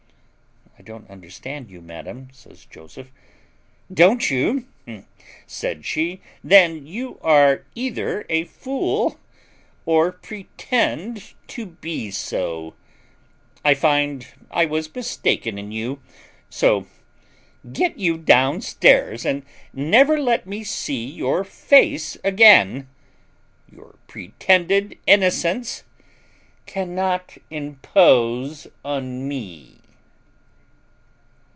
"I don't understand you, madam," says Joseph. "Don't you?" said she, "then you are either a fool, or pretend to be so; I find I was mistaken in you. So get you downstairs, and never let me see your face again; your pretended innocence cannot impose on me."